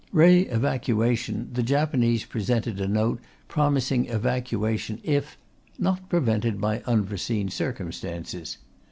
Re evacuation, the Japanese presented a Note promising evacuation if "not prevented by unforeseen circumstances."